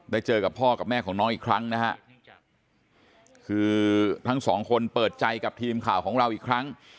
เจอกับพ่อกับแม่ของน้องอีกครั้งนะฮะคือทั้งสองคนเปิดใจกับทีมข่าวของเราอีกครั้ง